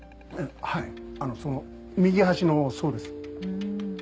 はいあのその右端のそうですふーん